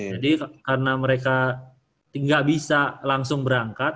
jadi karena mereka gak bisa langsung berangkat